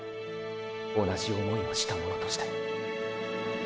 同じ想いをした者として――